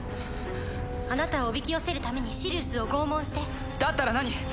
あなたをおびき寄せるためにシリウスを拷問してだったら何？